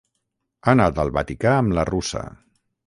Ha anat al Vaticà amb la russa.